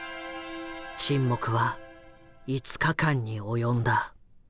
沈黙は５日間に及んだ。